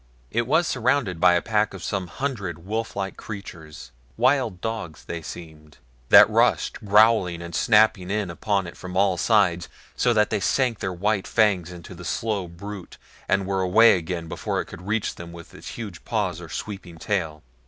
It was surrounded by a pack of some hundred wolf like creatures wild dogs they seemed that rushed growling and snapping in upon it from all sides, so that they sank their white fangs into the slow brute and were away again before it could reach them with its huge paws or sweeping tail.